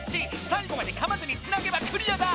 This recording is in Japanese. さいごまでかまずにつなげばクリアだ！